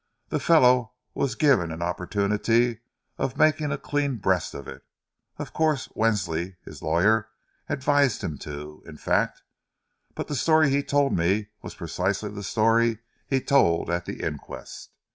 "The fellow was given an opportunity of making a clean breast of it, of course Wensley, his lawyer, advised him to, in fact but the story he told me was precisely the story he told at the inquest."